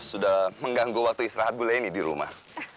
sudah mengganggu waktu istirahat bu leni di rumah